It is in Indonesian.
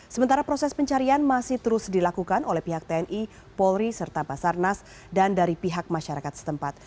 sementara proses pencarian masih terus dilakukan oleh pihak tni polri serta basarnas dan dari pihak masyarakat setempat